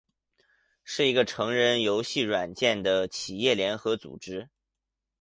是一个成人游戏软体的企业联合组织。